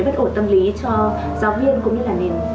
về bất ổn tâm lý cho giáo viên